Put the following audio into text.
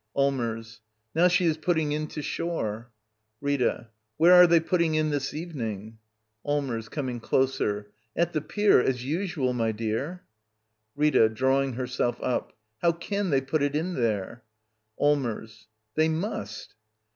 Allmers. Now she is putting in to shore. Rita. Where are they putting in this eve ning? Allmers. [G)ming closer.] At the pier, as usual, my dear — Rita. [Drawing herself up.] How can they put in there? •" Allmers. They must.